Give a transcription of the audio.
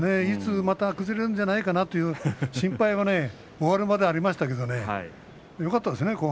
いつまた崩れるんじゃないかなという心配は終わるまでありましたけれどよかったですよね